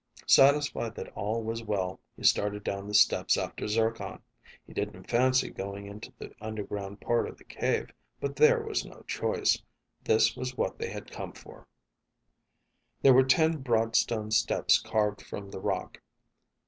Satisfied that all was well, he started down the steps after Zircon. He didn't fancy going into the underground part of the cave, but there was no choice. This was what they had come for. There were ten broad stone steps carved from the rock.